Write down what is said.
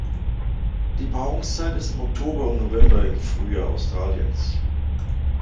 Die Paarungszeit ist im Oktober und November, im Frühjahr Australiens.